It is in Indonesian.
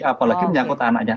apalagi menyangkut anaknya